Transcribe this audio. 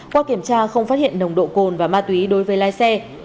qua kiểm tra không phát hiện nồng độ cồn và ma túy đối với lái xe